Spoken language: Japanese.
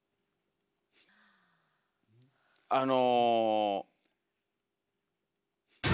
あの。